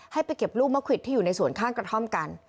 ให้ไปเก็บลูกมะขวิดที่อยู่ในสวนข้างกระท่อมกัน